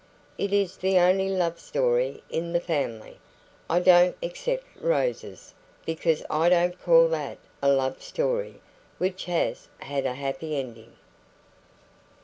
It is the only love story in the family I don't except Rose's, because I don't call that a love story which has had a happy ending."